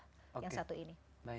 yang satu ini